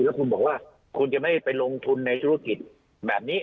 แล้วคุณบอกว่าคุณจะไม่ไปลงทุนในธุรกิจแบบนี้